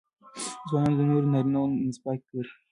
ځوانان د نورو نارینهوو منځپانګې ګوري.